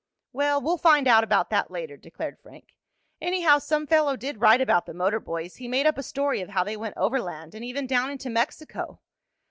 "Well, we'll find out about that later," declared Frank. "Anyhow, some fellow did write about the motor boys. He made up a story of how they went overland, and even down into Mexico."